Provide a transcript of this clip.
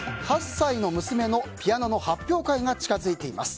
８歳の娘のピアノの発表会が近づいています。